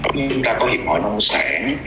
chúng ta có hiệp hội nông sản